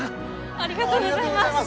ありがとうございます！